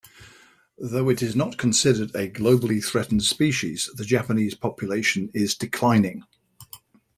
Though it is not considered a globally threatened species, the Japanese population is declining.